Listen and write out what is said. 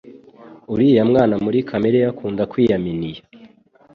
Uriya mwana muri kamere ye akunda kwiyaminiya